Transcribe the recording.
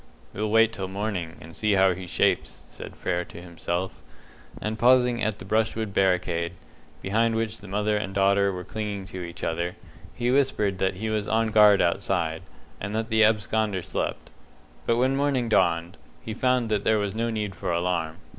"We'll wait till morning, and see how he shapes," said Frere to himself; and pausing at the brushwood barricade, behind which the mother and daughter were clinging to each other, he whispered that he was on guard outside, and that the absconder slept. But when morning dawned, he found that there was no need for alarm.